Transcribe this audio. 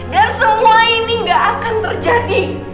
dan semua ini gak akan terjadi